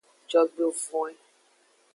Jogbevoin.